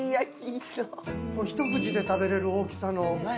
ひと口で食べれる大きさの。